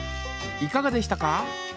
いかがでしたか？